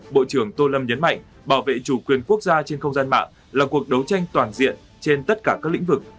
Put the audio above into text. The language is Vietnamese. bộ trưởng tô lâm nhấn mạnh bảo vệ chủ quyền quốc gia trên không gian mạng là cuộc đấu tranh toàn diện trên tất cả các lĩnh vực